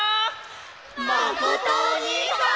まことおにいさん！